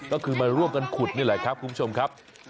ก็คือมาร่วมกันขุดนี่แหละครับคุณผู้ชมครับ